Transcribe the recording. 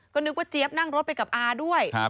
ก็นึกว่าเจี๊ยบนั่งรถไปกับอาด้วย